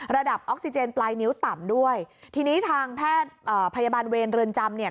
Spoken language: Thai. ออกซิเจนปลายนิ้วต่ำด้วยทีนี้ทางแพทย์เอ่อพยาบาลเวรเรือนจำเนี่ย